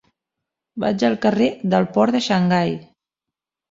Vaig al carrer del Port de Xangai.